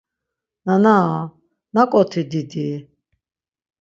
Nanaa naǩoti didi.